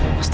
eh pak sit